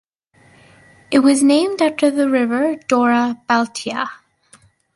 It was named after the river Dora Baltea.